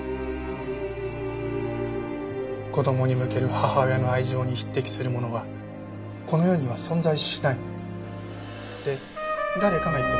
子供に向ける母親の愛情に匹敵するものはこの世には存在しないって誰かが言ってました。